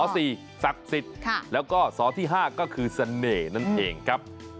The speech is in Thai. ศักดิ์สิทธิ์แล้วก็สอที่๕ก็คือเสน่ห์นั่นเองครับ